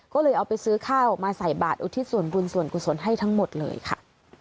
ก็เลยเอาไปซื้อข้าวมาใส่บาทอุทิศส่วนบุญส่วนกุศลให้ทั้งหมดเลยค่ะ